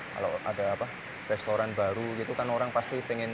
kalau ada restoran baru gitu kan orang pasti pengen